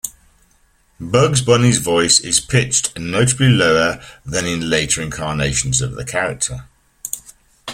Bugs Bunny's voice is pitched noticeably lower than in later incarnations of the character.